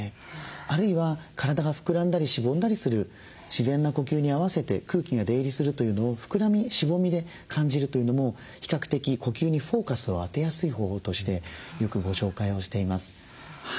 あるいは体が膨らんだりしぼんだりする自然な呼吸に合わせて空気が出入りするというのを膨らみしぼみで感じるというのも比較的呼吸にフォーカスを当てやすい方法としてよくご紹介をしています。